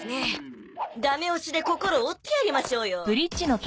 ダメ押しで心を折ってやりましょうよ。